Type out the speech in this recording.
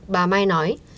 bà mai nói